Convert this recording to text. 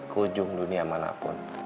ke ujung dunia manapun